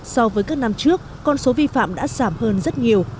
so với các năm trước con số vi phạm đã giảm hơn rất nhiều